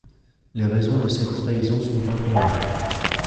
Les raisons de cette trahison sont inconnues.